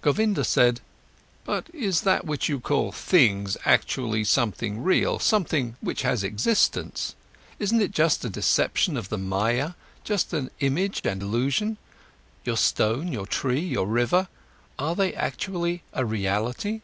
Govinda said: "But is that what you call 'things', actually something real, something which has existence? Isn't it just a deception of the Maya, just an image and illusion? Your stone, your tree, your river—are they actually a reality?"